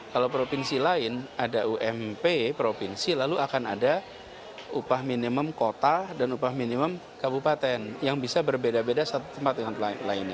kalau provinsi lain ada ump provinsi lalu akan ada upah minimum kota dan upah minimum kabupaten yang bisa berbeda beda satu tempat dengan lainnya